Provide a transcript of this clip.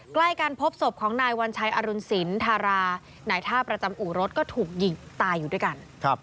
ใกล้กันพบศพของนายวัญชัยอรุณศิลป์ธารานายท่าประจำอู่รถก็ถูกยิงตายอยู่ด้วยกัน